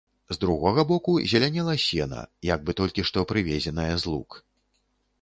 З другога боку зелянела сена, як бы толькі што прывезенае з лук.